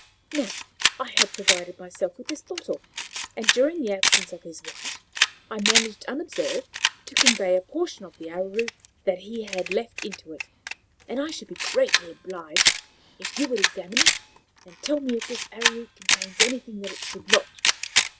Now I had provided myself with this bottle, and, during the absence of his wife, I managed unobserved to convey a portion of the arrowroot that he had left into it, and I should be greatly obliged if you would examine it and tell me if this arrowroot contains anything that it should not."